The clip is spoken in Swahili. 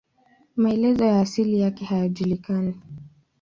Maelezo ya asili yake hayajulikani.